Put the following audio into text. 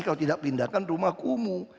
kalau tidak pindahkan rumah kumuh